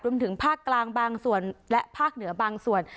รวมถึงภาคกลางบางส่วนและภาคเหนือบางส่วน